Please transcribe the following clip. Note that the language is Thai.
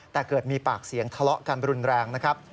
แต่เกิดมีปากเสียงทะเลาะกันรุนแรงนะครับ